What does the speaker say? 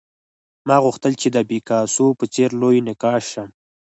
ما غوښتل چې د پیکاسو په څېر لوی نقاش شم